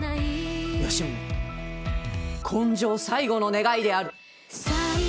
吉宗今生最後の願いである。